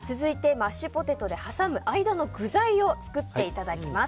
続いて、マッシュポテトで挟む間の具材を作っていただきます。